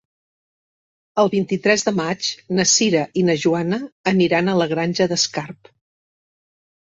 El vint-i-tres de maig na Cira i na Joana aniran a la Granja d'Escarp.